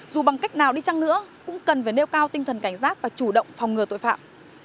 dù bằng cách nào đi chăng nữa cũng cần phải nêu cao tinh thần cảnh giác và chủ động phòng ngừa tội phạm